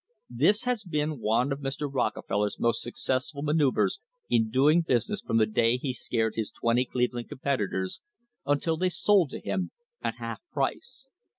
This has been one of Mr. Rockefeller's most success ful manoeuvres in doing business from the day he scared his twenty Cleveland competitors until they sold to him at half price.